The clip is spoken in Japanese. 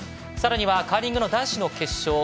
さらに、カーリングの男子の決勝